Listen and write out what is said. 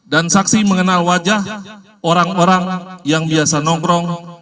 dan saksi mengenal wajah orang orang yang biasa nongkrong